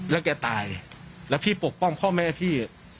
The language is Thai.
แล้วแกตายแล้วพี่ปกป้องพ่อแม่พี่